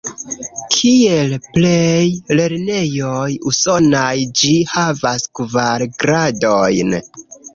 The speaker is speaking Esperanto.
Kiel plej lernejoj Usonaj, ĝi havas kvar gradojn.